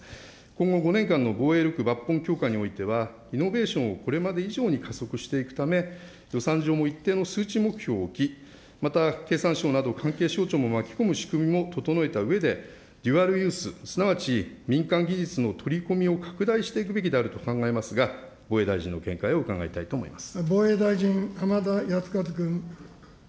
今後５年間の防衛力抜本強化においては、イノベーションをこれまで以上に加速していくため、予算上も一定の数値目標を置き、また経産省など関係省庁も巻き込む仕組みも整えたうえで、デュアルユース、すなわち民間技術の取り込みを拡大していくべきであると考えますが、防衛大臣の見解を伺いたいと思います。